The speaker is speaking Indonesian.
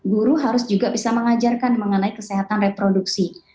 guru harus juga bisa mengajarkan mengenai kesehatan reproduksi